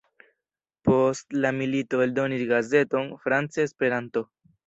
Post la milito eldonis gazeton France-Esperanto.